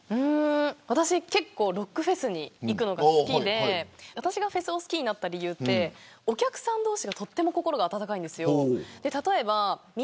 私はロックフェスに行くのが好きでフェスを好きになった理由ってお客さん同士の心が温かいんですよ。